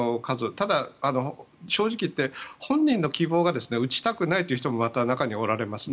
ただ、正直言って本人の希望が打ちたくないという方もまた、中にはおられます。